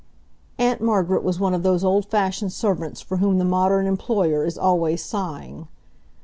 Aunt Margaret was one of those old fashioned servants for whom the modern employer is always sighing.